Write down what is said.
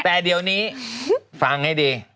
แต่เดี๋ยวนี้ฟังให้ดี